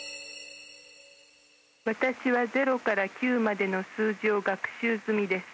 私は０から９までの数字を学習済みです。